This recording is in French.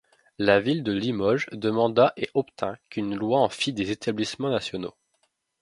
La Ville de Limoges demanda et obtint qu'une loi en fit des établissements nationaux.